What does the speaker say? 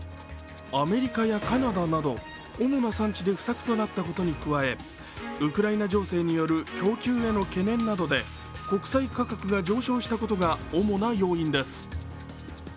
アメリカやカナダなど主な産地で不作となったことに加えウクライナ情勢による供給への懸念などで国際価格が上昇したことが主な要因です。